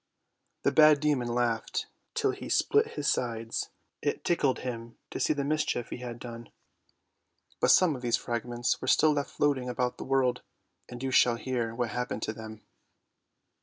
The bad demon laughed till he split his sides; it tickled him to see the mischief he had done. But some of these fragments were still left floating about the world, and you shall hear what happened to them.